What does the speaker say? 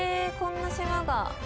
こんな島が。